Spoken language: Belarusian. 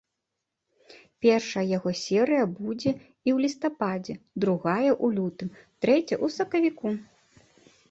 Першая яго серыя будзе і ў лістападзе, другая ў лютым, трэцяя ў сакавіку.